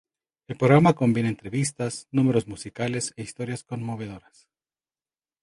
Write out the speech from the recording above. El programa combina entrevistas, números musicales e historias conmovedoras.